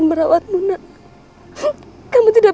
dimanapun kamu berada